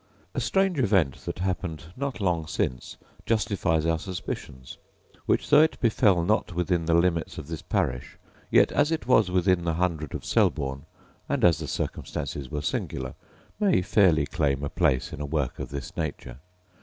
A strange event that happened not long since, justifies our suspicions; which, though it befell not within the limits of this parish, yet as it was within the hundred of Selborne, and as the circumstances were singular, may fairly claim a place in a work of this nature.